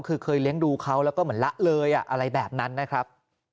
คือเคยเลี้ยงดูเขาแล้วก็เหมือนละเลยอะไรแบบนั้นนะครับ